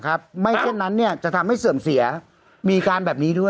ไม่เช่นนั้นเนี่ยจะทำให้เสื่อมเสียมีการแบบนี้ด้วย